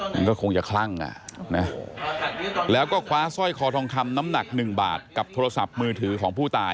มันก็คงจะคลั่งแล้วก็คว้าสร้อยคอทองคำน้ำหนัก๑บาทกับโทรศัพท์มือถือของผู้ตาย